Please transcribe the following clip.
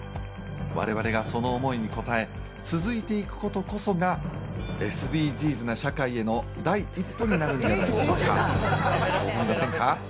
我々がその思いに応え、続いていくことこそがＳＤＧｓな社会への第一歩になるんじゃないでしょうか。